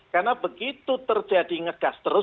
karena begitu terjadi ngegas terus